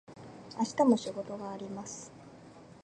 明日も仕事があります。